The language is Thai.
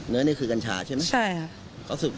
เนื้อนี่คือกัญชาใช่ไหมใช่ครับ